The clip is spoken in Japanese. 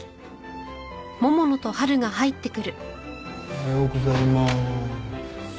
おはようございまーす。